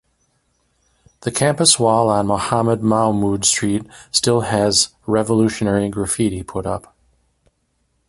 The campus wall on Mohamed Mahmoud Street still has revolutionary graffiti put up.